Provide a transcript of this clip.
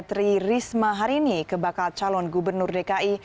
tri risma hari ini kebakal calon gubernur dki